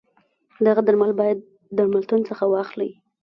دغه درمل باید درملتون څخه واخلی.